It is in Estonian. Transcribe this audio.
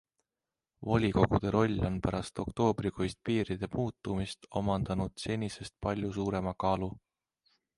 Volikogude roll on pärast oktoobrikuist piiride muutumist omandanud senisest palju suurema kaalu.